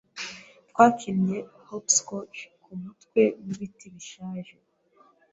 Twakinnye hop scotch kumutwe wibiti bishaje